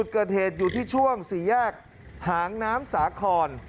เกิดเหตุอยู่ที่ช่วงสี่แยกหางน้ำสาคร